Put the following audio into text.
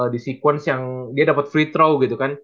di sekuens yang dia dapet free throw gitu kan